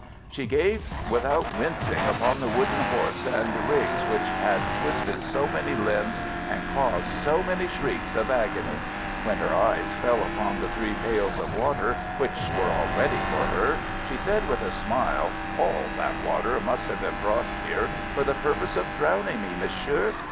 "'She gazed without wincing upon the wooden horse and rings which had twisted so many limbs and caused so many shrieks of agony. When her eyes fell upon the three pails of water, which were all ready for her, she said with a smile, "All that water must have been brought here for the purpose of drowning me, Monsieur.